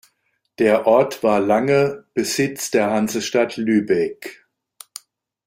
Der Ort war lange Besitz der Hansestadt Lübeck.